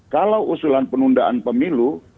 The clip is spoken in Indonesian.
kalau usulan penundaan pemilu